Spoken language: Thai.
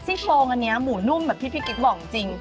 โชงอันนี้หมูนุ่มแบบที่พี่กิ๊กบอกจริง